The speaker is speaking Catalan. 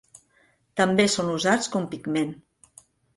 També són usats com pigment.